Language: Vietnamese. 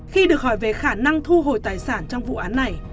khi được hỏi về khả năng thu hồi tài sản trong quốc gia